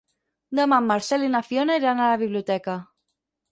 Demà en Marcel i na Fiona iran a la biblioteca.